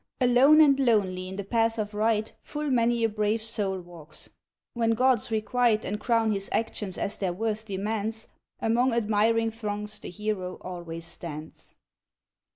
Alone and lonely in the path of right Full many a brave soul walks. When gods requite And crown his actions as their worth demands, Among admiring throngs the hero always stands.